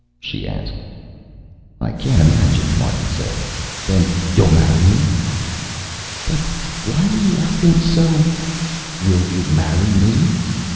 she asked. "I can't imagine," Martin said. "Then you'll marry me?" "But why were you acting so " "Will you marry me?"